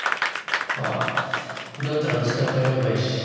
まあ受かったらうちから通えばいいし。